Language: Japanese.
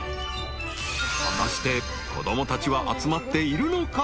［果たして子供たちは集まっているのか？］